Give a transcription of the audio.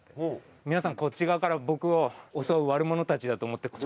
皆さんこっち側から僕を襲う悪者たちだと思って。